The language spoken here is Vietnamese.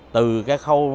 từ cái khâu